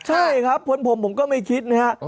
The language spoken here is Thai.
ใช่ครับพ้นผมก็ไม่คิดนะครับ